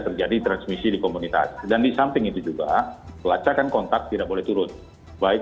terjadi transmisi di komunitas dan di samping itu juga pelacakan kontak tidak boleh turun baik